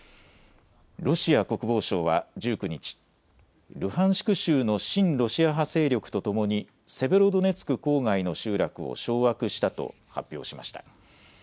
ロシア国防省は１９日、ルハンシク州の親ロシア派勢力とともに、セベロドネツク郊外の集落を掌握したと発表しました。